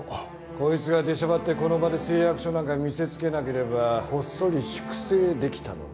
こいつが出しゃばってこの場で誓約書なんか見せつけなければこっそり粛清できたのに。